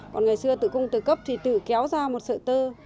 còn ngày xưa tự cung tự cấp thì tự kéo ra một sợi tơ